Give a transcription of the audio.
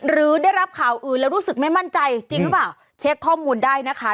หรือได้รับข่าวอื่นแล้วรู้สึกไม่มั่นใจจริงหรือเปล่าเช็คข้อมูลได้นะคะ